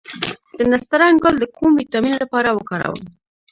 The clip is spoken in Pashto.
د نسترن ګل د کوم ویټامین لپاره وکاروم؟